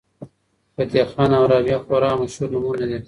فتح خان او رابعه خورا مشهور نومونه دي.